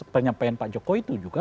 penyampaian pak jokowi itu juga